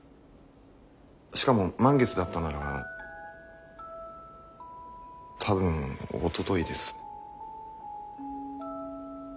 しかも満月だったなら多分おとといです。